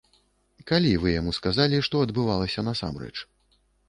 Калі вы яму сказалі, што адбывалася насамрэч?